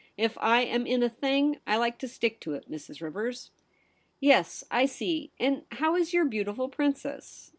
If I am in a thing, I like to stick to it, Mrs. Rivers.' ' Yes, I see. And how is your beautiful princess